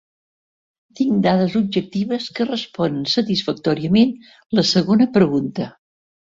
Tinc dades objectives que responen satisfactòriament la segona pregunta.